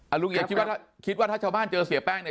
ลุงเอียดคิดว่าคิดว่าถ้าชาวบ้านเจอเสียแป้งเนี่ย